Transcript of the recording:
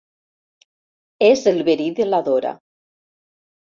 És el verí de la Dora.